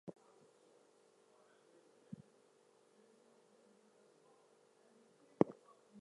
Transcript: His brother, Jean Langevin was a Roman Catholic bishop.